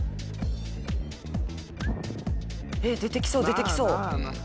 出てきそう出てきそう。